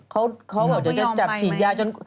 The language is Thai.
เขาจะจับฉีดยาจน